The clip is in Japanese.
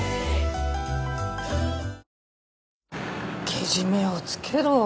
けじめをつけろ。